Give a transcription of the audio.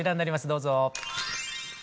どうぞ。